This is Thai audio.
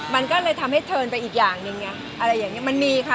มันก็เลยทำให้เทิร์นไปอีกอย่างหนึ่งมันมีค่ะ